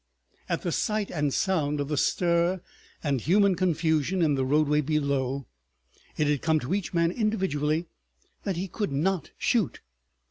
At the sight and sound of the stir and human confusion in the roadway below, it had come to each man individually that he could not shoot.